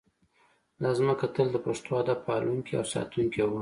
دا ځمکه تل د پښتو ادب پالونکې او ساتونکې وه